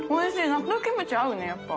納豆キムチ合うねやっぱ。